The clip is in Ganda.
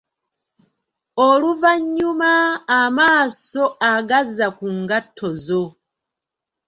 Oluvannyuma amaaso agazza ku ngatto zo.